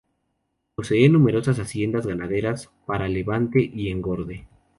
Posee numerosas haciendas ganaderas para levante y engorde.